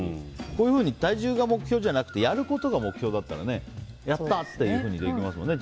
こういうふうに体重が目標じゃなくてやることが目標だったらやったー！ってできますもんね。